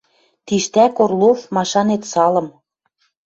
Тиштӓк Орлов, машанет, салым